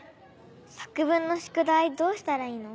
作文の宿題どうしたらいいの？